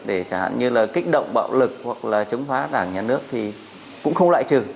để chẳng hạn như là kích động bạo lực hoặc là chống phá đảng nhà nước thì cũng không loại trừ